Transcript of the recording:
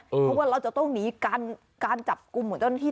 เพราะว่าเราจะต้องหนีการจับกลุ่มของเจ้าหน้าที่